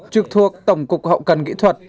trực thuộc tổng cục hậu cần kỹ thuật